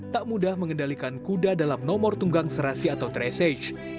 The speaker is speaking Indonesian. tak mudah mengendalikan kuda dalam nomor tunggang serasi atau tresage